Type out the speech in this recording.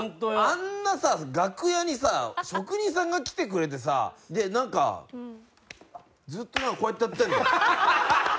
あんなさ楽屋にさ職人さんが来てくれてさでなんかずっとこうやってやってるんだもん。